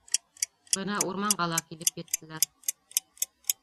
Бына урманға ла килеп еттеләр.